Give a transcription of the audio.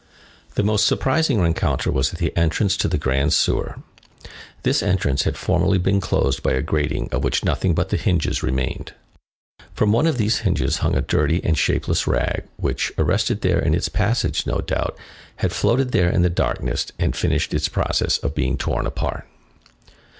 The most surprising rencounter was at the entrance to the Grand Sewer. This entrance had formerly been closed by a grating of which nothing but the hinges remained. From one of these hinges hung a dirty and shapeless rag which, arrested there in its passage, no doubt, had floated there in the darkness and finished its process of being torn apart.